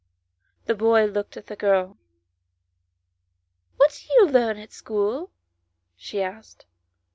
The boy looked at the girL "What do you learn at school ?" she asked.